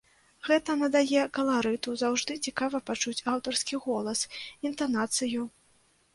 Гэта надае каларыту, заўжды цікава пачуць аўтарскі голас, інтанацыю.